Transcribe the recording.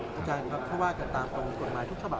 คุณแจ้งครับเขาว่าจะตามตรงกฎหมายทุกฉบับ